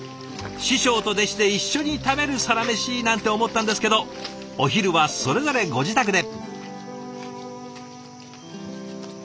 師匠と弟子で一緒に食べるサラメシなんて思ったんですけどお昼はそれぞれご自宅で。